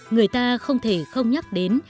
người ta không thể không nhắc đến